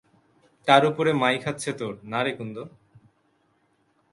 তার ওপরে মাই খাচ্ছে তোর, না রে কুন্দ?